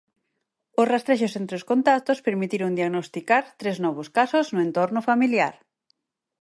Os rastrexos entre os contactos permitiron diagnosticar tres novos casos no entorno familiar.